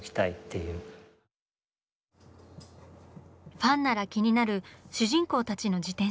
ファンなら気になる主人公たちの自転車。